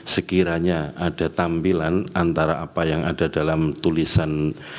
sekiranya ada tampilan antara apa yang ada dalam tulisan